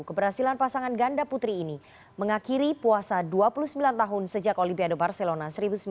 keberhasilan pasangan ganda putri ini mengakhiri puasa dua puluh sembilan tahun sejak olimpiade barcelona seribu sembilan ratus sembilan puluh